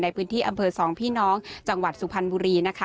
ในพื้นที่อำเภอสองพี่น้องจังหวัดสุพรรณบุรีนะคะ